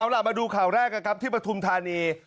เอาล่ะมาดูข่าวแรกกันครับที่ปฐุมธานี